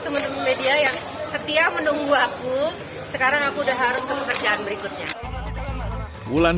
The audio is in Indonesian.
teman teman media yang setia menunggu aku sekarang aku udah harus ke pekerjaan berikutnya bulan